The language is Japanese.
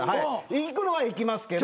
行くのは行きますけど。